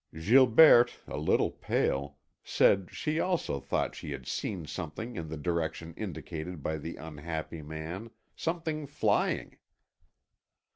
Gilberte, a little pale, said she also thought she had seen something in the direction indicated by the unhappy man, something flying.